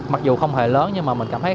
mặc dù không hề lớn nhưng mà mình cảm thấy